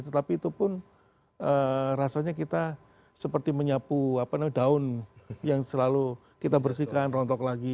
tetapi itu pun rasanya kita seperti menyapu daun yang selalu kita bersihkan rontok lagi